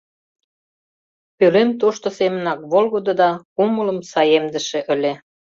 Пӧлем тошто семынак волгыдо да кумылым саемдыше ыле.